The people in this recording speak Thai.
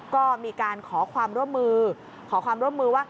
ก็มีการขอความร่วมมือขอความร่วมมือว่า